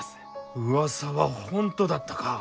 うわさは本当だったか！